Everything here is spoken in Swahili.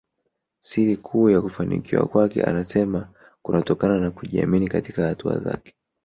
Siri kuu ya kufanikiwa kwake anasema kunatokana na kujiamini katika hatua zake